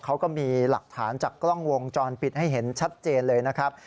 เขาก็มีหลักฐานจากกล้องวงจรปิดให้เห็นชัดเจนเลยนะครับ